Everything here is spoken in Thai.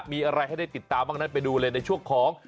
มีอะไรให้ได้ติดตามบ้างนั้นไปดูเลยในช่วงของ